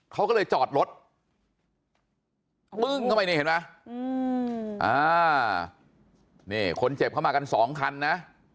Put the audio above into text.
เขาก็เลยจอดรถปึ้งเข้าไปนี่เห็นไหมนี่คนเจ็บเข้ามากันสองคันนะ